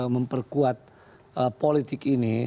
memperkuat politik ini